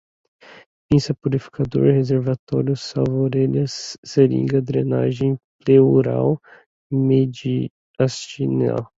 pinça, purificador, reservatório, salva-orelhas, seringa, drenagem, pleural, mediastinal